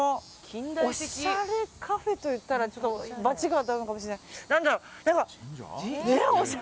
おしゃれカフェといったら罰が当たるかもしれない。